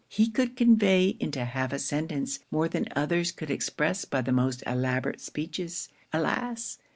He could convey into half a sentence more than others could express by the most elaborate speeches. Alas!